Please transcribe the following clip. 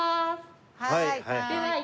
はい。